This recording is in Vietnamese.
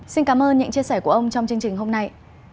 xin cảm ơn những chia sẻ của ông trong chương trình hôm nay